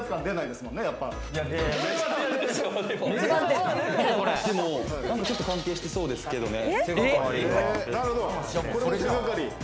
でもちょっと関係してそうですけどね。